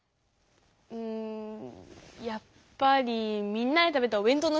うんやっぱりみんなで食べたおべんとうの時間かな。